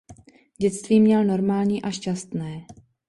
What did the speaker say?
Dětství měl normální a šťastné.